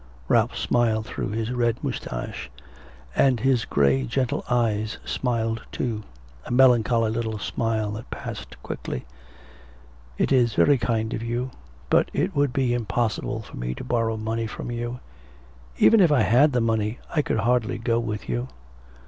Ralph smiled through his red moustache, and his grey gentle eyes smiled too, a melancholy little smile that passed quickly. 'It is very kind of you. But it would be impossible for me to borrow money from you. Even if I had the money, I could hardly go with you.'